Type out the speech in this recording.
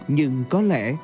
nhưng có lẽ